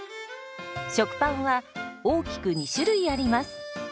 食パンは大きく２種類あります。